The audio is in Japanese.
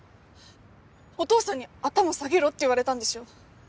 お父さんに頭下げろって言われたんでしょ？